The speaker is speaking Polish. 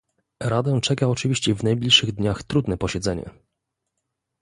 Radę czeka oczywiście w najbliższych dniach trudne posiedzenie